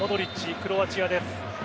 クロアチアです。